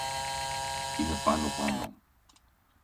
Είναι πάνω πάνω.